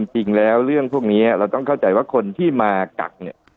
จริงแล้วเรื่องพวกนี้เราต้องเข้าใจว่าคนที่มากักเนี่ย